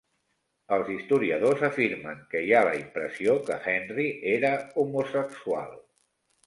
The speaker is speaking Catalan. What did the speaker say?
Els historiadors afirmen que hi ha la impressió que Henry era homosexual.